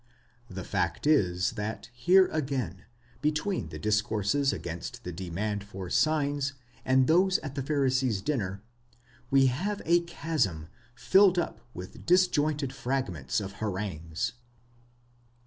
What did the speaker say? The fact is, that here again, between the discourses against the demand for signs and those at the Pharisee's dinner, we have a chasm filled up with disjointed fragments of harangues.